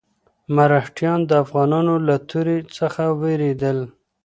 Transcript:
مرهټیان د افغانانو له تورې څخه وېرېدل.